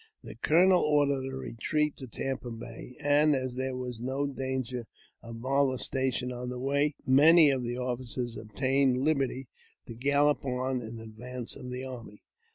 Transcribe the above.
The colonel ordered a retreat to Tampa Bay, and, as there was no danger of molestation on the way, many of the officers obtained liberty to gallop on in advance of the . army.